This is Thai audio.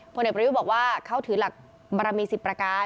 ผู้เน็ตประวิดบอกว่าเข้าถือหลักบรรมีศิษย์ประการ